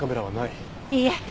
いいえ。